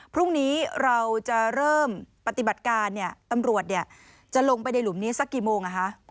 พรุ่งนี้เราจะเริ่มปฏิบัติการเนี่ยตำรวจจะลงไปในหลุมนี้สักกี่โมง